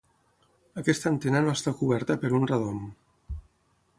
Aquesta antena no està coberta per un radom.